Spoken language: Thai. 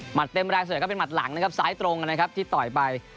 เต็มแรงส่วนใหญ่ก็เป็นหัดหลังนะครับซ้ายตรงนะครับที่ต่อยไป